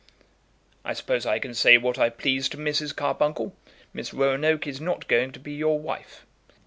"I suppose I can say what I please to Mrs. Carbuncle? Miss Roanoke is not going to be your wife."